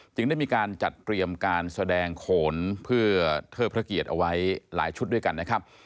ได้มีการจัดเตรียมการแสดงโขนเพื่อเทิดพระเกียรติเอาไว้หลายชุดด้วยกันนะครับ